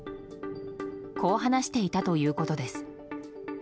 こう話していたということです。